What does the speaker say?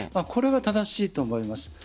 これは正しいと思います。